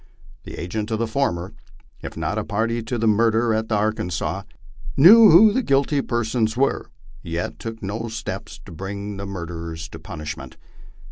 The agent of the former, if not a party to the murder on the Ar kansas, knew who the guilty persons were, yet took no steps to bring the mur derers to punishment.